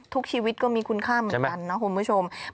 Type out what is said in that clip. ทุกชีวิตก็มีคุณค่าเหมือนกันนะคุณผู้ชม